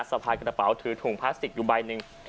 สะพายกระเป๋าถือถุงพลาสติกอยู่ใบหนึ่ง